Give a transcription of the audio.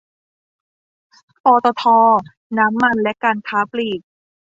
ปตท น้ำมันและการค้าปลีก